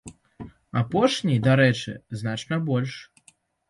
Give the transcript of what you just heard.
Апошніх, дарэчы, значна больш.